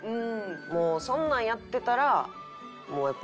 もうそんなんやってたらやっぱ。